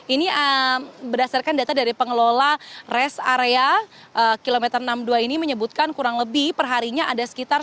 ini berdasarkan data dari pengelola res area kilometer enam ini menyebutkan kurang lebih perharinya ada sekitar sepuluh